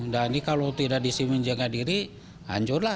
dan kalau tidak disiplin menjaga diri hancurlah